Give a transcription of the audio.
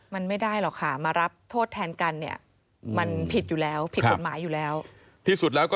มารับโทษแทนกันเนี่ยมันผิดไปแล้ว